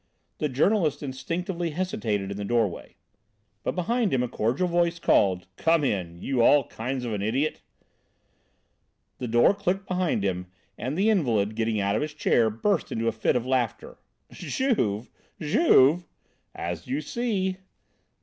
The journalist instinctively hesitated in the doorway. But behind him a cordial voice called: "Come in, you all kinds of an idiot!" The door clicked behind him and the invalid, getting out of his chair, burst into a fit of laughter. "Juve! Juve!" "As you see!"